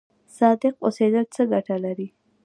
صادق اوسیدل څه ګټه لري؟